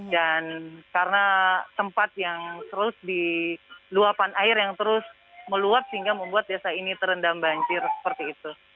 dan karena tempat yang terus diluapan air yang terus meluap sehingga membuat desa ini terendam banjir seperti itu